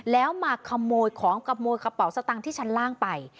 แล้วมาขโมยของขโมยกระเป๋าสตังค์ที่ชั้นล่างไป